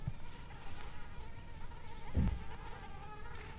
سهار په خړه به له کلا ووت.